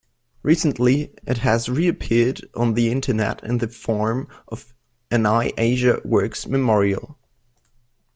Recently, it has reappeared on the Internet in the form of an iAsiaWorks Memorial.